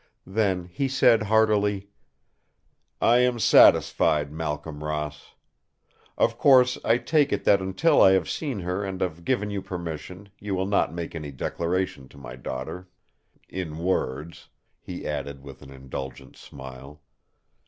Then he said heartily: "I am satisfied, Malcolm Ross. Of course, I take it that until I have seen her and have given you permission, you will not make any declaration to my daughter—in words," he added, with an indulgent smile.